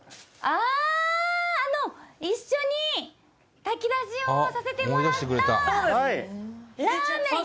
あの一緒に炊き出しをさせてもらったラーメン。